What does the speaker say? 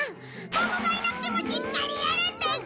ボクがいなくてもしっかりやるんだぞ！